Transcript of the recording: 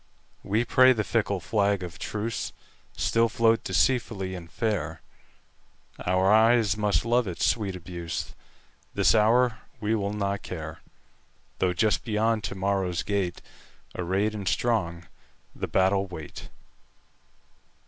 We pray the fickle flag of truceStill float deceitfully and fair; Our eyes must love its sweet abuse; This hour we will not care, Though just beyond to morrow's gate, Arrayed and strong, the battle wait.